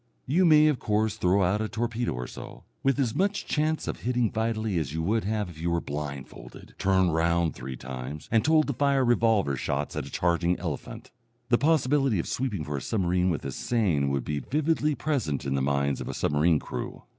You may, of course, throw out a torpedo or so, with as much chance of hitting vitally as you would have if you were blindfolded, turned round three times, and told to fire revolver shots at a charging elephant. The possibility of sweeping for a submarine with a seine would be vividly present in the minds of a submarine crew.